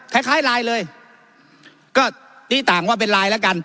คล้ายคล้ายไลน์เลยก็นี่ต่างว่าเป็นไลน์แล้วกัน